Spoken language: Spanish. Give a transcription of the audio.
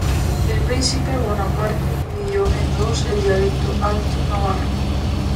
El príncipe Bonaparte dividió en dos el dialecto alto-navarro.